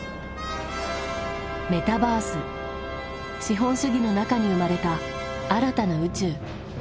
資本主義の中に生まれた新たな宇宙。